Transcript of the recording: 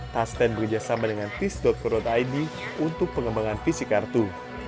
touchstand bekerjasama dengan peace co id untuk pengembangan visi kartu